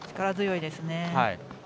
力強いですね。